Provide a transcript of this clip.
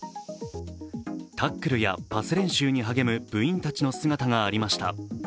タックルやパス練習に励む部員たちの姿がありました。